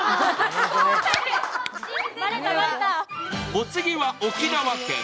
お次は沖縄県。